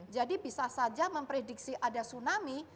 jadi bisa saja memprediksi ada tsunami